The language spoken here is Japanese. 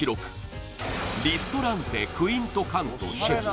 リストランテクイントカントシェフ